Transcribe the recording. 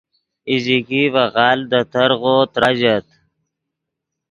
ایزیکی ڤے غالڤ دے ترغو تراژت